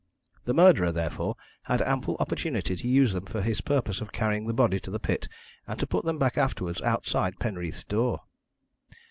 The murderer, therefore, had ample opportunity to use them for his purpose of carrying the body to the pit and to put them back afterwards outside Penreath's door.